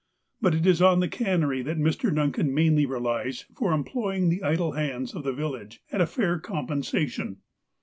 But it is on the cannery that Mr. Duncan mainly relies for employing the idle hands of the village at a fair compensation.